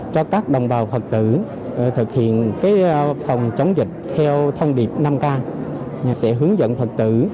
cho các đồng bào phật tử thực hiện phòng chống dịch theo thông điệp năm k sẽ hướng dẫn phật tử